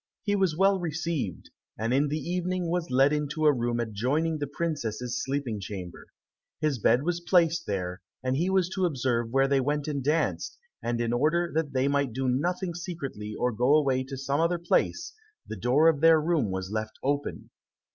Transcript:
He was well received, and in the evening was led into a room adjoining the princesses' sleeping chamber. His bed was placed there, and he was to observe where they went and danced, and in order that they might do nothing secretly or go away to some other place, the door of their room was left open.